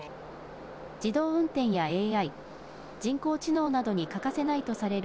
自動運転やＡＩ・人工知能などに欠かせないとされる